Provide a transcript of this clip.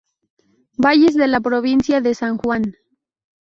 Valles de la provincia de San Juan